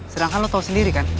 sedangkan lo tahu sendiri kan